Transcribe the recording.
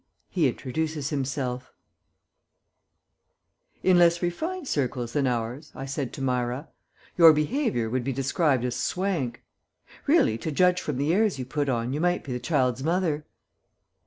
HE INTRODUCES HIMSELF "In less refined circles than ours," I said to Myra, "your behaviour would be described as swank. Really, to judge from the airs you put on, you might be the child's mother."